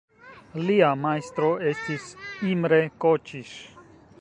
Lia majstro estis Imre Kocsis.